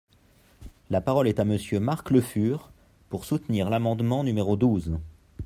La parole est à Monsieur Marc Le Fur, pour soutenir l’amendement numéro douze.